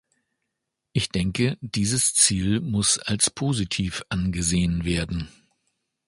Ich denke, dieses Ziel muss als positiv angesehen werden.